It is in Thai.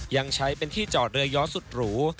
ยังใช้เป็นที่จอดเรือย้อสุดหรู